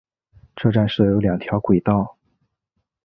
车站设有两条轨道。